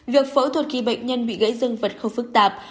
việc phẫu thuật khi bệnh nhân bị gãy dương vật không phức tạp